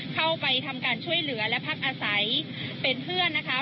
เข้าไปทำการช่วยเหลือและพักอาศัยเป็นเพื่อนนะคะ